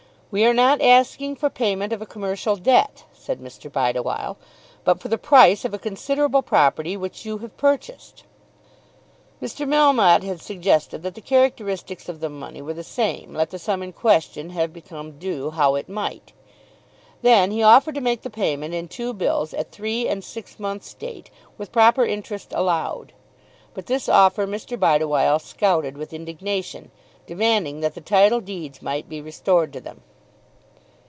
"We are not asking for payment of a commercial debt," said Mr. Bideawhile, "but for the price of a considerable property which you have purchased." Mr. Melmotte had suggested that the characteristics of the money were the same, let the sum in question have become due how it might. Then he offered to make the payment in two bills at three and six months' date, with proper interest allowed. But this offer Mr. Bideawhile scouted with indignation, demanding that the title deeds might be restored to them.